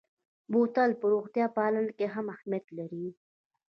بوتل په روغتیا پالنه کې هم اهمیت لري.